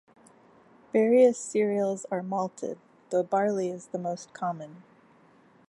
Various cereals are malted, though barley is the most common.